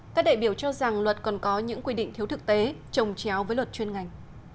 các đại biểu cho rằng luật còn có những quy định thiếu thực tế trồng chéo với luật chuyên ngành